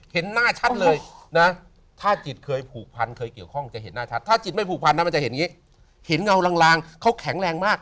เห็นหน้าชัดเลยนะถ้าจิตเคยผูกพันเคยเกี่ยวข้องจะเห็นหน้าชัดถ้าจิตไม่ผูกพันนะมันจะเห็นอย่างนี้เห็นเงาลางเขาแข็งแรงมาก